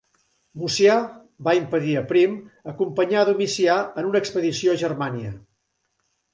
Mucià va impedir a Prim acompanyar a Domicià en una expedició a Germània.